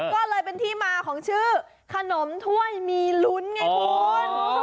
ก็เลยเป็นที่มาของชื่อขนมถ้วยมีลุ้นไงคุณ